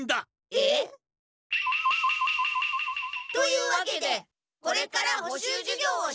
えっ？というわけでこれから補習授業をしてください！